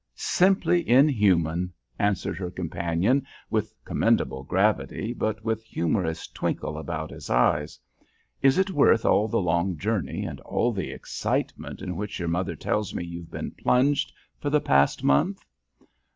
"Simply inhuman!" answers her companion with commendable gravity, but with humorous twinkle about his eyes. "Is it worth all the long journey, and all the excitement in which your mother tells me you've been plunged for the past month?"